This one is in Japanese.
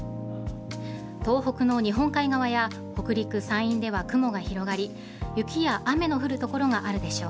東北の日本海側や北陸、山陰では雲が広がり雪や雨の降る所があるでしょう。